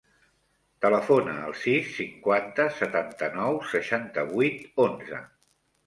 Telefona al sis, cinquanta, setanta-nou, seixanta-vuit, onze.